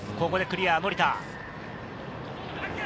ここでクリア、森田。